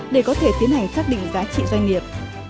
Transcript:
để có thể tiến hành xác định giá trị doanh nghiệp